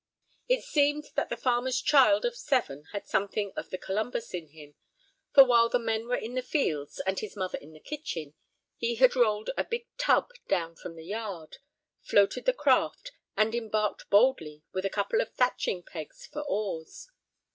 It seemed that the farmer's child of seven had something of the Columbus in him, for while the men were in the fields and his mother in the kitchen he had rolled a big tub down from the yard, floated the craft, and embarked boldly, with a couple of thatching pegs for oars.